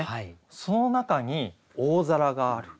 その中に大皿がある。